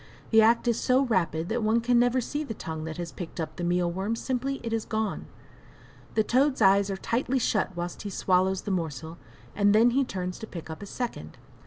The act is so rapid that one can never see the tongue that has picked up the meal worm simply it is gone! The toad's eyes are tightly shut whilst he swallows the morsel, and then he turns to pick up a second.